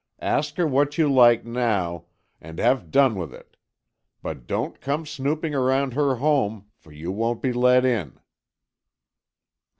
Ask her what you like now, and have done with it. But don't come snooping about her home, for you won't be let in!"